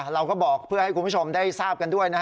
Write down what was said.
เราก็บอกเพื่อให้คุณผู้ชมได้ทราบกันด้วยนะฮะ